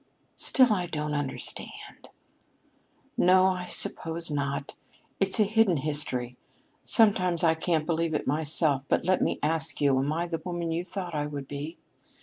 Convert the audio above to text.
"Still I don't understand." "No, I suppose not. It's a hidden history. Sometimes I can't believe it myself. But let me ask you, am I the woman you thought I would be?"